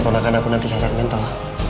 pernahkan aku nanti cacat mental